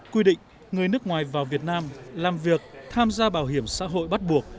quy định người nước ngoài vào việt nam làm việc tham gia bảo hiểm xã hội bắt buộc